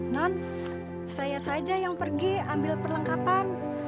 non saya saja yang pergi ambil perlengkapan